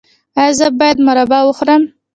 ایا زه باید مربا وخورم؟